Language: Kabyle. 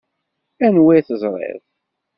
Anwa i teẓṛiḍ?